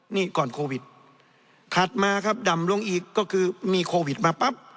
นี่ก่อนโควิดถัดมาครับดำลงอีกก็คือมีโควิดมาปั๊บ